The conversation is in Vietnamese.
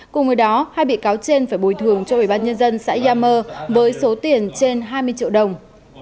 cùng với đó hai bị cáo trên phải bồi thường cho ủy ban nhân dân xã yam mơ với số tiền trên hai mươi triệu đồng